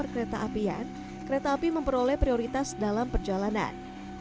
kereta apian kereta api memperoleh prioritas dalam perjalanan